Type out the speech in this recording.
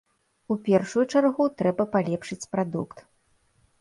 У першую чаргу, трэба палепшыць прадукт.